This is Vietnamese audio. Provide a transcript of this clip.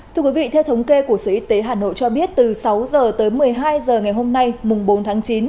thưa quý vị theo thống kê của sở y tế hà nội cho biết từ sáu h tới một mươi hai h ngày hôm nay mùng bốn tháng chín